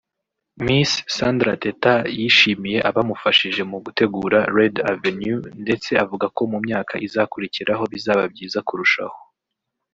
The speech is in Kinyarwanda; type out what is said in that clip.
Miss Sandra Teta yashimiye abamufashije mu gutegura ‘Red Avenue’ ndetse avuga ko mu myaka izakurikiraho bizaba byiza kurushaho